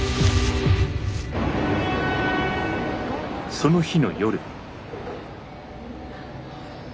その日の夜。